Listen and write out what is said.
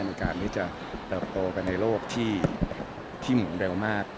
ในการที่จะเติบโตไปในโลกที่หมุนเร็วมาก